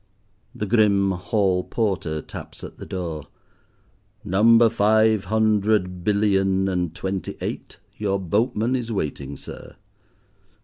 The grim Hall Porter taps at the door: "Number Five hundred billion and twenty eight, your boatman is waiting, sir."